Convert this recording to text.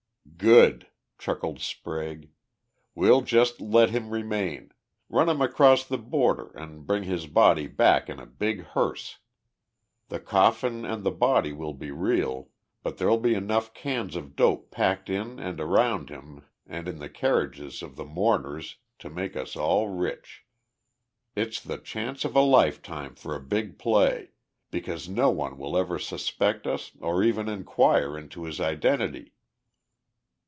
"Good," chuckled Sprague. "We'll just let him remain run him across the border, and bring his body back in a big hearse. The coffin and the body will be real, but there'll be enough cans of dope packed in and around him and in the carriages of the 'mourners' to make us all rich. It's the chance of a lifetime for a big play, because no one will ever suspect us or even inquire into his identity."